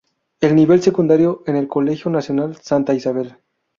El nivel secundario en el Colegio Nacional Santa Isabel.